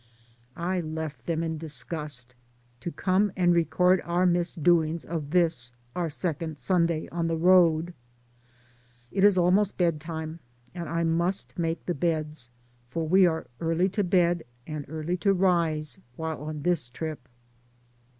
I left them in disgust, to come and record our misdoings of this, our second, Sunday on the road. It is almost bedtime, and I must make the beds, for we are early to bed and early to rise while on this trip.